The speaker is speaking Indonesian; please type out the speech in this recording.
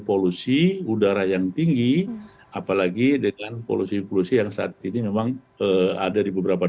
polusi udara yang tinggi apalagi dengan polusi polusi yang saat ini memang ada di beberapa